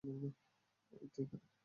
ঐতো, ওখানে।